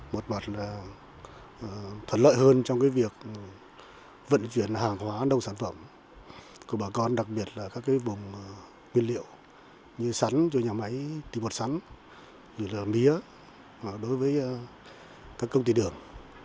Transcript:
một mặt thuận lợi hơn trong việc vận chuyển hàng hóa nông sản phẩm của bà con đặc biệt là các vùng nguyên liệu như sắn cho nhà máy tìm hoạt sắn mía đối với các công ty đường